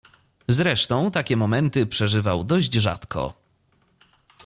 "Zresztą takie momenty przeżywał dość rzadko."